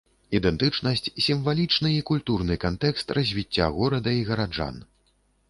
Ідэнтычнасць, сімвалічны і культурны кантэкст развіцця горада і гараджан.